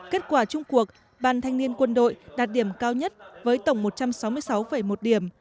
kết quả chung cuộc ban thanh niên quân đội đạt điểm cao nhất với tổng một trăm sáu mươi sáu một điểm